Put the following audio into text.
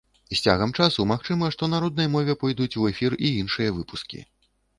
З цягам часу, магчыма, што на роднай мове пойдуць у эфір і іншыя выпускі.